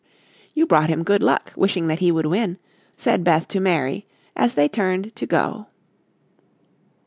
"You brought him good luck, wishing that he would win," said Beth to Mary as they turned to go.